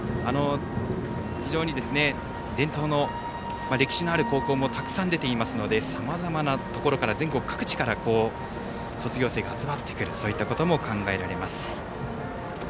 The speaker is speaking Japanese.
非常に伝統の歴史のある高校もたくさん出ていますのでさまざまなところから全国各地から卒業生が集まってくることも考えられます。